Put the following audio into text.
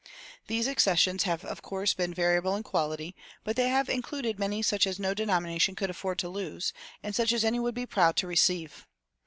These accessions have of course been variable in quality, but they have included many such as no denomination could afford to lose, and such as any would be proud to receive.